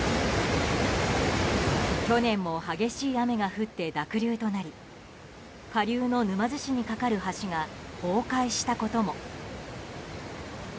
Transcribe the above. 去年も激しい雨が降って濁流となり下流の沼津市に架かる橋が崩壊したことも。